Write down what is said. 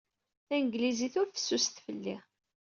Tanglizit ur fessuset fell-i.